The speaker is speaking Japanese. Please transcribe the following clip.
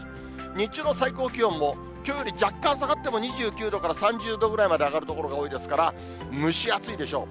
日中の最高気温もきょうより若干下がっても、２９度から３０度ぐらいまで上がる所が多いですから、蒸し暑いでしょう。